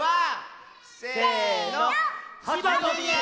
せの。